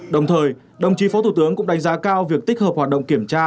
đồng thời đồng chí phó thủ tướng cũng đánh giá cao việc tích hợp hoạt động kiểm tra